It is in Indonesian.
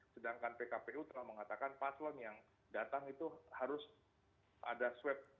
sedangkan pkpu telah mengatakan paslon yang datang itu harus ada swab